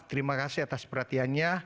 terima kasih atas perhatiannya